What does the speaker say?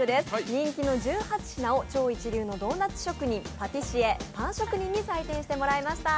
人気の１８品を超一流のドーナツ職人、パティシエ、パン職人に採点してもらいました。